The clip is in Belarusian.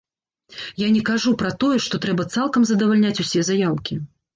Я не кажу пра тое, што трэба цалкам задавальняць усе заяўкі.